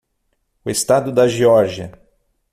O estado da Geórgia.